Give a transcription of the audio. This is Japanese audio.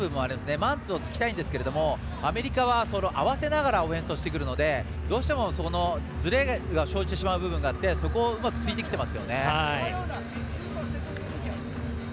マンツーをつきたいんですけどアメリカは合わせながらオフェンスをしてくるのでどうしてもずれが生じてしまう部分があってそこをうまくついてきています。